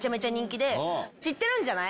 知ってるんじゃない？